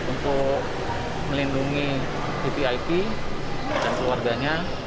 kami untuk melindungi ttip dan keluarganya